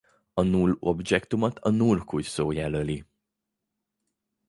A null objektumot a null kulcsszó jelöli.